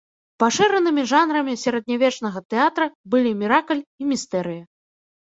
Пашыранымі жанрамі сярэднявечнага тэатра былі міракль і містэрыя.